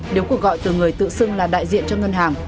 nếu cuộc gọi từ người tự xưng là đại diện cho ngân hàng